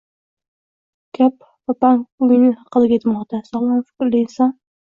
gap “Vabank o‘yini” haqida ketmoqda, sog‘lom fikrli inson